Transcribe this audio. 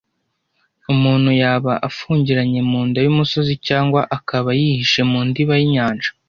Umuntu yaba afungiranye mu nda y’umusozi cyangwa akaba yihishe mu ndiba y’inyanja